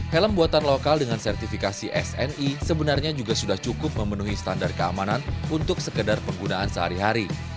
helm buatan lokal dengan sertifikasi sni sebenarnya juga sudah cukup memenuhi standar keamanan untuk sekedar penggunaan sehari hari